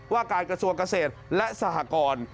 ว่าการกระทรวงเกษตรและสหกร